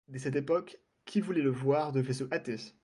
Dès cette époque, qui voulait le voir devait se hâter.